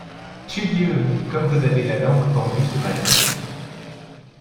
Tudieu ! comme vous avez la langue pendue ce matin !